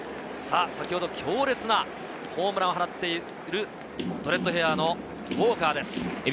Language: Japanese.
先ほど強烈なホームランを放っているドレッドヘアのウォーカーです。